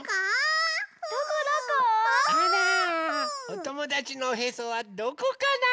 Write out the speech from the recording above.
おともだちのおへそはどこかな？